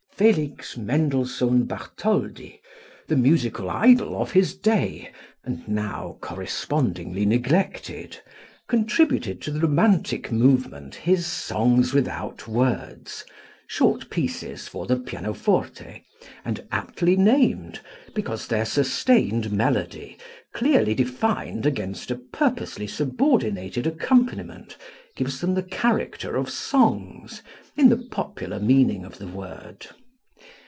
Felix Mendelssohn Bartholdy, the musical idol of his day and now correspondingly neglected, contributed to the romantic movement his "Songs Without Words," short pieces for the pianoforte and aptly named because their sustained melody clearly defined against a purposely subordinated accompaniment gives them the character of songs, in the popular meaning of the word.